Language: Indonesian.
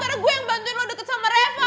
karena gue yang bantuin lo deket sama riva